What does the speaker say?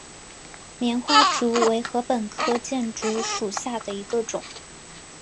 棉花竹为禾本科箭竹属下的一个种。